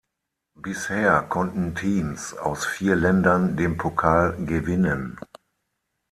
Bisher konnten Teams aus vier Ländern den Pokal gewinnen.